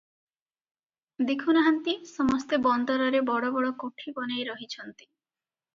ଦେଖୁ ନାହାନ୍ତି, ସମସ୍ତେ ବନ୍ଦରରେ ବଡ଼ ବଡ଼ କୋଠି ବନେଇ ରହିଛନ୍ତି ।